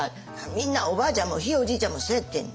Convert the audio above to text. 「みんなおばあちゃんもひいおじいちゃんもそやってん」